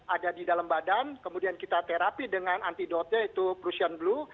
ada di dalam badan kemudian kita terapi dengan antidotnya yaitu prussian blue